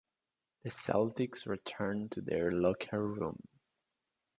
The Celtics returned to their locker room.